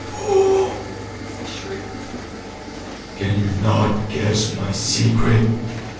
"Fool," he shrieked, "can you not guess my secret?